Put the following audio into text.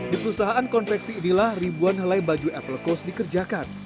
dikusahaan konveksi idilah ribuan helai baju apple coast dikerjakan